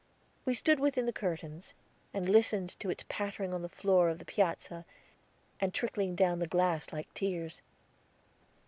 We stood within the curtains, and listened to its pattering on the floor of the piazza, and trickling down the glass like tears.